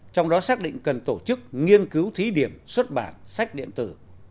trong đó xác định cần tổ chức nghiên cứu thí điểm xuất bản sách điện tử